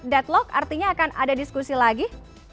deadlock artinya akan ada diskusi lagi